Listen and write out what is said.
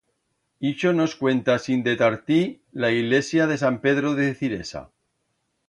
Ixo nos cuenta sinde tartir la ilesia de Sant Pedro de Ciresa.